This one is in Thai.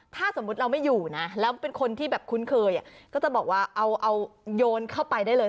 ถ้าสมมุติเราไม่อยู่นะแล้วเป็นคนที่แบบคุ้นเคยก็จะบอกว่าเอาโยนเข้าไปได้เลย